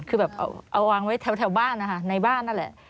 คือแบบเอาวางไว้แถวบ้านนะคะในบ้านนั่นแหละ